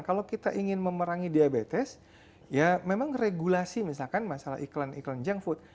kalau kita ingin memerangi diabetes ya memang regulasi misalkan masalah iklan iklan junk food